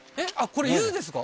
これ柚子ですか？